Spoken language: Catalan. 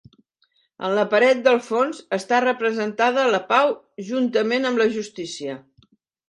En la paret del fons està representada la Pau juntament amb la Justícia.